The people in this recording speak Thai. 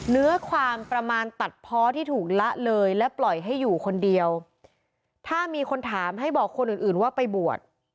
เนื้อความประมาณตัดเพาะที่ถูกละเลยและปล่อยให้อยู่คนเดียวถ้ามีคนถามให้บอกคนอื่นอื่นว่าไปบวช